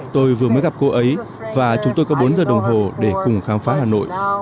tôi vừa mới gặp cô ấy và chúng tôi có bốn giờ đồng hồ để cùng khám phá hà nội